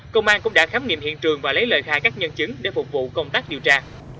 công an cũng đã khám nghiệm hiện trường và lấy lời khai các nhân chứng để phục vụ công tác điều tra